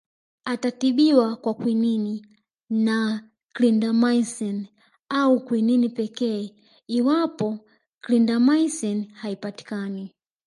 Atatibiwa kwa Kwinini na Clindamycin au Kwinini pekee iwapo Clindamycin haipatikani